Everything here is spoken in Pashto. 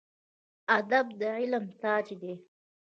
ادب د علم تاج دی